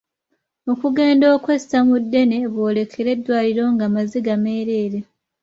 Okugenda okwessa mu ddene boolekere eddwaliro nga maziga meereere.